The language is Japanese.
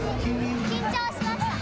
緊張しました。